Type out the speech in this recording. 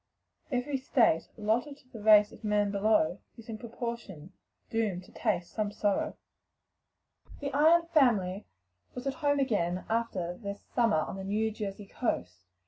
"Every state, Allotted to the race of man below, Is in proportion, doom'd to taste some sorrow." Rowe. The Ion family were at home again after their summer on the New Jersey coast.